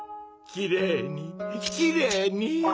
きれいにきれいに。